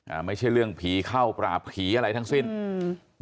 อ่าไม่ใช่เรื่องผีเข้าปราบผีอะไรทั้งสิ้นอืม